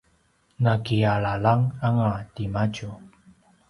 nakialalanganga timadju